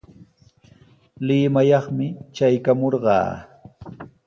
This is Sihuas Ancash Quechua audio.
Limayaqmi traykamurqaa.